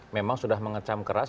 memang sudah mengecam keras